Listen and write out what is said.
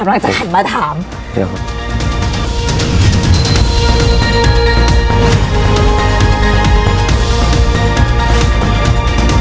กำลังจะหันมาถามเดี๋ยวค่ะ